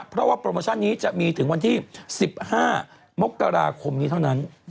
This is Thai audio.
เพราะว่าโปรโมชั่นนี้จะมีถึงวันที่๑๕มกราคมนี้เท่านั้น